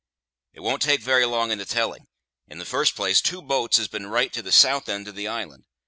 It won't take very long in the telling. In the first place, two boats has been right to the south eend of the island.